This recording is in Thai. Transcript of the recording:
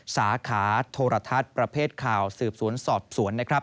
สาขาโทรทัศน์ประเภทข่าวสืบสวนสอบสวนนะครับ